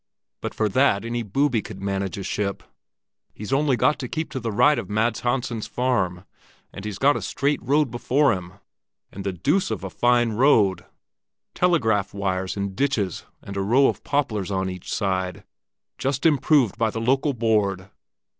"But for that any booby could manage a ship. He's only got to keep well to the right of Mads Hansen's farm, and he's got a straight road before him. And the deuce of a fine road! Telegraph wires and ditches and a row of poplars on each side—just improved by the local board.